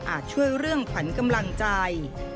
ช่วยเรื่องขวัญกำลังใจ